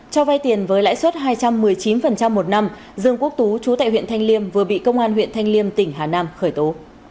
cho vay tiền với lãi suất hai trăm một mươi chín một năm dương quốc tú chú tại huyện thanh liêm vừa bị công an huyện thanh liêm tỉnh hà nam khởi tố